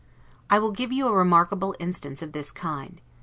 I will give you a remarkable instance of this kind.